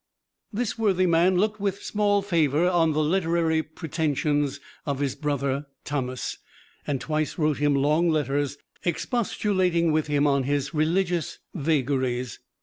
This worthy man looked with small favor on the literary pretensions of his brother Tammas, and twice wrote him long letters expostulating with him on his religious vagaries.